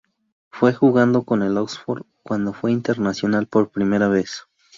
Fue jugando en el Oxford cuando fue internacional por primera vez.